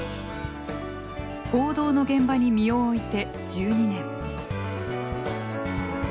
報道の現場に身を置いて１２年。